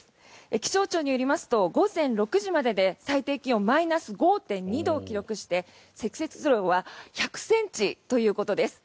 気象庁によりますと午前６時までで最低気温マイナス５．２度を記録して積雪量は１００ｃｍということです。